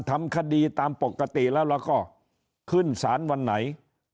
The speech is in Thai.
ทำคดีตามปกติแล้วแล้วก็ขึ้นสารวันไหน